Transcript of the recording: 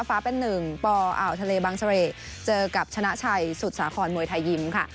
เป็นหนึ่งปอ่าวทะเลบังเสร่เจอกับชนะชัยสุดสาครมวยไทยยิมค่ะ